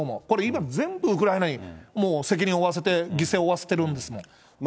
これ今、全部ウクライナにもう責任を負わせて、犠牲を負わせてるんですもん。